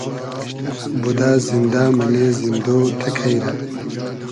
بودۉ زیندۂ مئنې زیندۉ تئکݷ رۂ